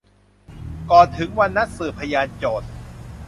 ก่อนถึงวันนัดสืบพยานโจทก์